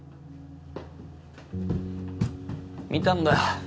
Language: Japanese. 見たんだ。